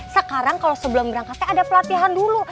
sekarang kalau sebelum berangkat saya ada pelatihan dulu